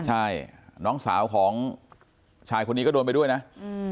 ใช่น้องสาวของชายคนนี้ก็โดนไปด้วยนะอืม